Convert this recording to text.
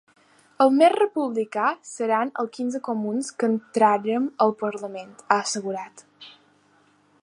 El més republicà seran els quinze comuns que entrarem al Parlament, ha assegurat.